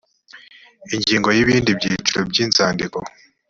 ingingo ya ibindi byiciro by inzandiko